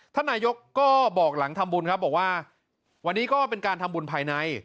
ท่านนายกก็บอกหลังทำบุญครับบอกว่าวันนี้ก็เป็นการทำบุญภายใน